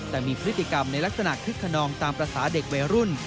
แต่มีพฤติกรรมในลักษณะคึกขนองตามภาษาเด็กวัยรุ่น